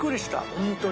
ホントに。